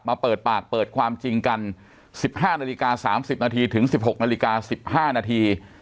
เปิดปากเปิดความจริงกัน๑๕นาฬิกา๓๐นาทีถึง๑๖นาฬิกา๑๕นาที